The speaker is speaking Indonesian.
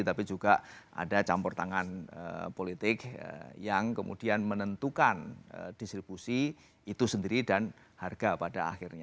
tapi juga ada campur tangan politik yang kemudian menentukan distribusi itu sendiri dan harga pada akhirnya